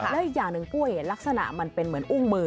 แล้วอีกอย่างหนึ่งปุ้ยเห็นลักษณะมันเป็นเหมือนอุ้งมือ